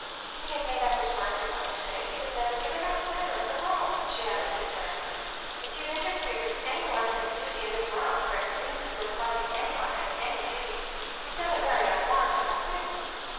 If he had made up his mind to what you say, he would never give it up never in the world!" she added hysterically. "If you've interfered between any one and his duty in this world, where it seems as if hardly any one had any duty, you've done a very unwarrantable thing."